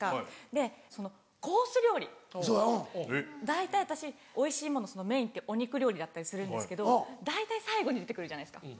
大体私おいしいものそのメインってお肉料理だったりするんですけど大体最後に出て来るじゃないですか。